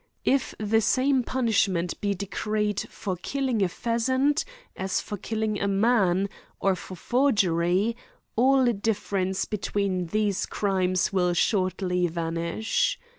If the same punish ment be decreed for killing a pheasant as for kil ling a man, or for forgery, all difference between those crimes will shortly vanish.